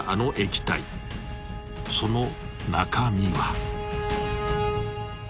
［その中身は？］